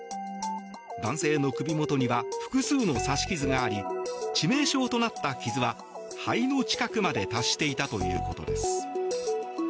男性の首元には複数の刺し傷があり致命傷となった傷は肺の近くまで達していたということです。